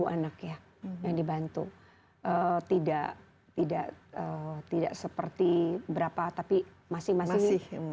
lima anak ya yang dibantu tidak seperti berapa tapi masih masih